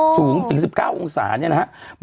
สูงถึง๑๙องศาเนี่ยนะครับ